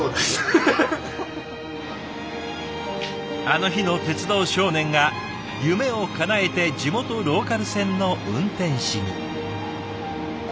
あの日の鉄道少年が夢をかなえて地元ローカル線の運転士に。